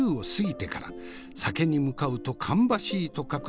酒に向かうと芳しいと書く